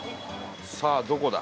さあどこだ？